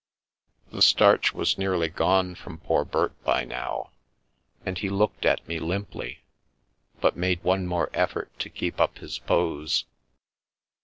The starch was nearly gone from poor Bert by now, and he looked at me limply ; but made one more effort to keep up his pose.